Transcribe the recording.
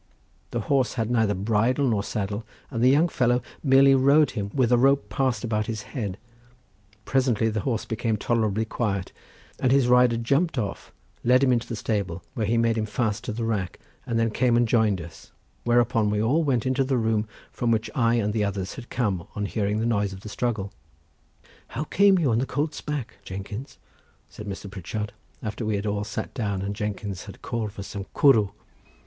The horse had neither bridle nor saddle, and the young fellow merely rode him with a rope, passed about his head—presently the horse became tolerably quiet, and his rider jumping off led him into the stable, where he made him fast to the rack and then came and joined us, whereupon we all went into the room from which I and the others had come on hearing the noise of the struggle. "How came you on the colt's back, Jenkins?" said Mr. Pritchard, after we had all sat down and Jenkins had called for some cwrw.